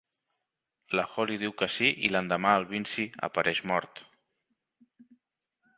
La Holly diu que sí i l'endemà el Vincey apareix mort.